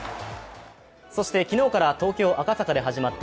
そして、昨日から東京・赤坂で始まった